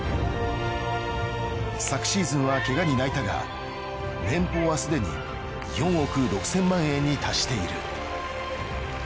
昨シーズンはケガに泣いたが年俸はすでに４億６，０００万円に達している。